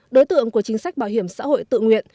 đối tượng của chính sách bảo hiểm xã hội tự nguyện